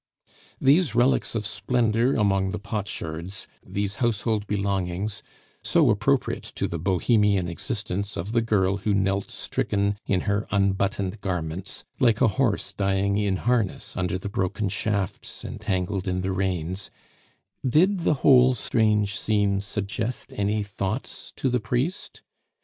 These relics of splendor among the potsherds, these household belongings so appropriate to the bohemian existence of the girl who knelt stricken in her unbuttoned garments, like a horse dying in harness under the broken shafts entangled in the reins did the whole strange scene suggest any thoughts to the priest?